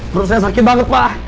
perut saya sakit banget pak